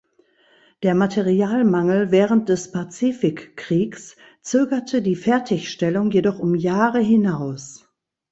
Der Materialmangel während des Pazifikkriegs zögerte die Fertigstellung jedoch um Jahre hinaus.